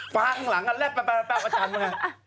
ฟ้าข้างหลังอะแล้วแป๊บอาจารย์มากัน